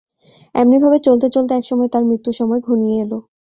এমনিভাবে চলতে চলতে এক সময় তাঁর মৃত্যুর সময় ঘনিয়ে এল।